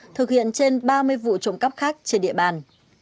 thực hiện trên ba mươi vụ trộm cắp khác trên địa bàn